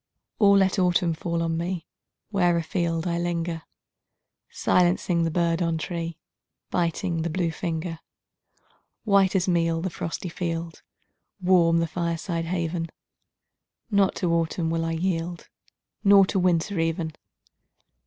Or let autumn fall on me Where afield I linger, Silencing the bird on tree, Biting the blue finger. White as meal the frosty field Warm the fireside haven Not to autumn will I yield, Not to winter even!